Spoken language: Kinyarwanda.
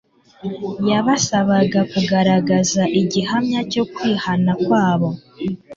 Yabasabaga kugaragaza igihamya cyo kwihana kwabo